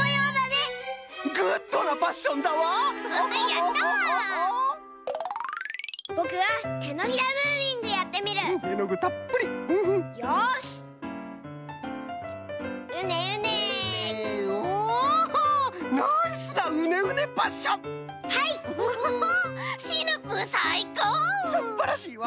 すっばらしいわ！